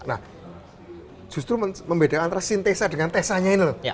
nah justru membedakan antara sintesa dengan tessanya ini loh